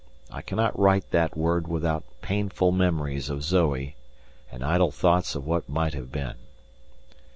I cannot write that word without painful memories of Zoe and idle thoughts of what might have been.